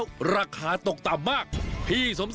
วันนี้พาลงใต้สุดไปดูวิธีของชาวปักใต้อาชีพชาวเล่น